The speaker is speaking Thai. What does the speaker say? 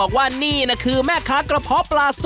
ขอบคุณมากด้วยค่ะพี่ทุกท่านเองนะคะขอบคุณมากด้วยค่ะพี่ทุกท่านเองนะคะ